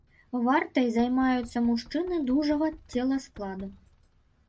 Вартай займаюцца мужчыны дужага целаскладу.